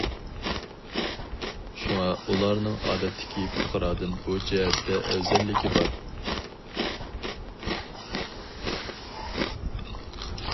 شۇڭا ئۇلارنىڭ ئادەتتىكى پۇقرادىن بۇ جەھەتتە ئەۋزەللىكى بار.